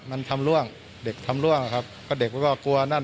มันทำล่วงเด็กทำร่วงนะครับก็เด็กมันก็กลัวนั่น